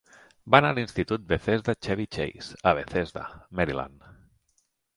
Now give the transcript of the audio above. Va anar a l'institut Bethesda-Chevy Chase, a Bethesda (Maryland).